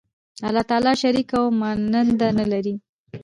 الله تعالی شریک او ماننده نه لری